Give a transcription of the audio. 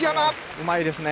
うまいですね。